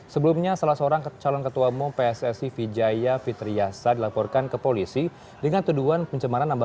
sebelumnya salah seorang calon ketua umum pssi vijaya fitriyasa dilaporkan ke polisi dengan tuduhan pencemaran nama baik